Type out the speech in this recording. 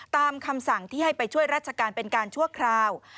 ตามคำสั่งที่ให้ไปช่วยราชการเป็นการชั่วคราว